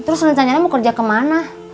terus rencananya mau kerja kemana